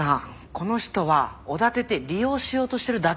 この人はおだてて利用しようとしてるだけなの。